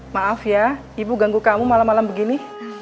maaf ya ibu ganggu kamu malam malam begini